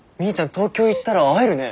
東京行ったら会えるね。